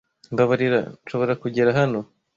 Mbabarira. Nshobora kugera hano?